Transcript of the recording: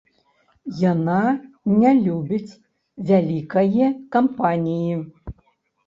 Яна не любіць вялікае кампаніі.